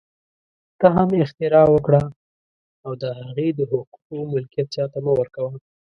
ته هم اختراع وکړه او د هغې د حقوقو ملکیت چا ته مه ورکوه